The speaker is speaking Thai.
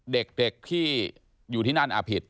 เด็กที่อยู่ที่นั่นผิด